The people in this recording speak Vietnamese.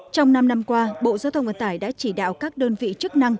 trong năm năm qua bộ giao thông ngoại tải đã chỉ đạo các đơn vị chức năng